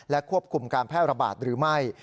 ควบคุมการแพร่ระบาดหรือไม่